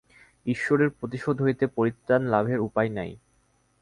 ঈশ্বরের প্রতিশোধ হইতে পরিত্রাণ লাভের উপায় নাই।